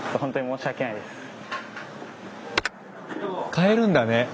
買えるんだね。